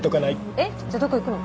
えっじゃあどっか行くの？